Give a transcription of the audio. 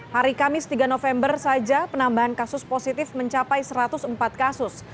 hari kamis tiga november saja penambahan kasus positif mencapai satu ratus empat kasus